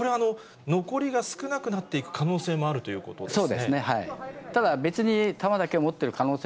これは残りが少なくなっていく可能性もあるということですね。